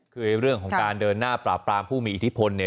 คือเรื่องของการเดินหน้าปราบปรามผู้มีอิทธิพลเนี่ย